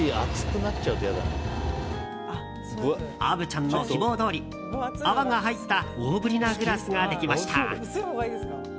虻ちゃんの希望どおり泡が入った大ぶりなグラスができました。